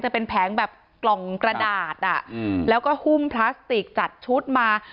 แผงแบบกล่องกระดาษแล้วก็หุ้มพลาสติกจัดชุดมา